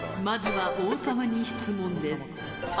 まずは王様に質問です。